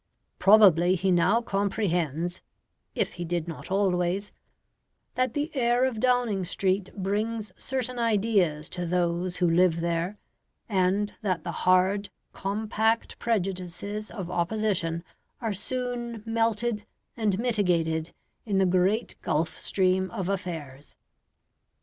Probably he now comprehends if he did not always that the air of Downing Street brings certain ideas to those who live there, and that the hard, compact prejudices of opposition are soon melted and mitigated in the great gulf stream of affairs.